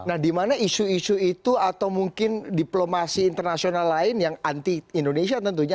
nah dimana isu isu itu atau mungkin diplomasi internasional lain yang anti indonesia tentunya